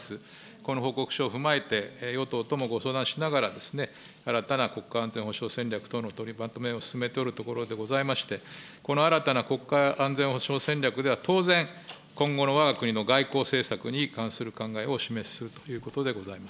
この報告書を踏まえて、与党ともご相談しながら、新たな国家安全保障戦略等の取りまとめを進めておるところでございまして、この新たな国家安全保障戦略では、当然、今後のわが国の外交政策に関する考えをお示しするということ